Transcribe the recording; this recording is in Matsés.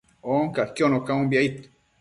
ancaquiono caumbi, aid